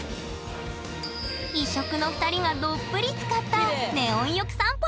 異色の２人がどっぷりつかったネオン浴散歩でした！